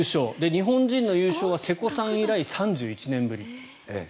日本人の優勝は瀬古さん以来３１年ぶり。